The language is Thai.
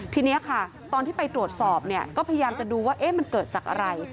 ทีนี้ค่ะตอนที่ไปตรวจสอบเนี่ยก็พยายามจะดูว่ามันเกิดจากอะไร